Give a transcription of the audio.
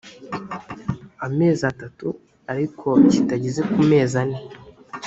amezi atatu ariko kitageze ku mezi ane